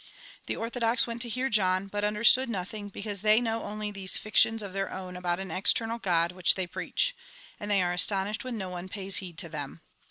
The orthodox went to hear John, but under stood nothing, because they know only those fictions of their own about an external God, which they preach ; and they are astonished when no one pays heed to them.